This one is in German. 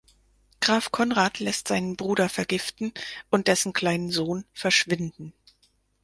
Graf Conrad lässt seinen Bruder vergiften und dessen kleinen Sohn verschwinden.